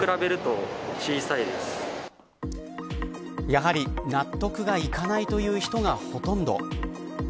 やはり納得がいかないという人がほとんど。